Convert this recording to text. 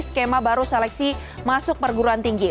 skema baru seleksi masuk perguruan tinggi